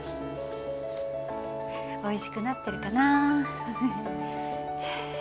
おいしくなってるかな。